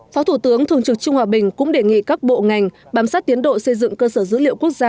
phó thủ tướng thường trực trung hòa bình cũng đề nghị các bộ ngành bám sát tiến độ xây dựng cơ sở dữ liệu quốc gia